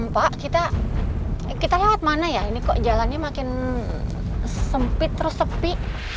pak kita lewat mana ya ini kok jalannya makin sempit terus sepi